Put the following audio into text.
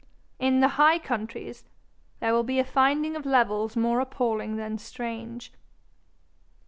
In 'the high countries' there will be a finding of levels more appalling than strange.